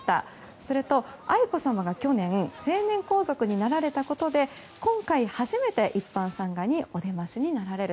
すると、愛子さまが去年成年皇族になられたことで今回初めて一般参賀にお出ましになられる。